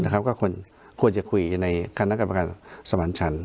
ก็ควรจะคุยในคณะกรรมการสมานชัน